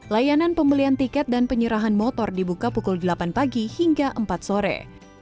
layanan pembelian tiket dan penyerahan motor dibuka pukul delapan pagi hingga empat sore